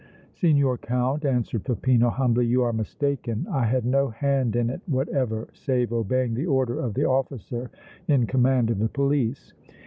"Signor Count," answered Peppino, humbly, "you are mistaken. I had no hand in it whatever save obeying the order of the officer in command of the police."